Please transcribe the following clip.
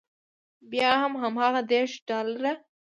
بیا هم هماغه دېرش ډالره.